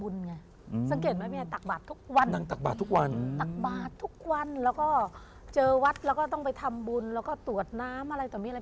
แล้วก็เจอวัดแล้วก็ต้องไปทำบุญแล้วก็ตรวจน้ำอะไรต่อมีอะไร